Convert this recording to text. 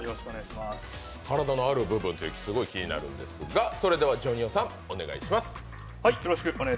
体のある部分って、すごい気になるんですが、それでは、ＪＯＮＩＯさん、お願いします。